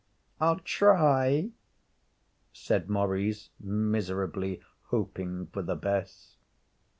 'I'll try,' said Maurice, miserably hoping for the best.